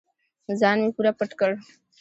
ځان مې پوره پټ کړ.